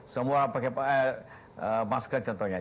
semua pakai masker contohnya